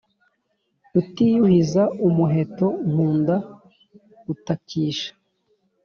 rutiyuhiza umuheto nkunda gutakisha